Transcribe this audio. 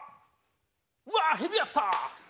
うわヘビやった！